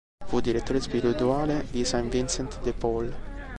Fu direttore spirituale di san Vincent de Paul.